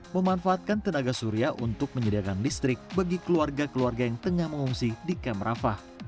memanfaatkan tenaga surya untuk menyediakan listrik bagi keluarga keluarga yang tengah mengungsi di kamera